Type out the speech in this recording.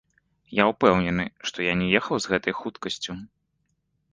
Я упэўнены, што я не ехаў з гэтай хуткасцю.